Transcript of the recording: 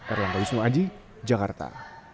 erlang tawismu aji jakarta